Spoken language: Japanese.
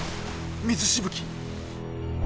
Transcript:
水しぶき。